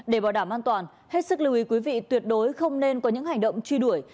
để bảo đảm an toàn hết sức lưu ý quý vị tuyệt đối không nên có những hành động truy đuổi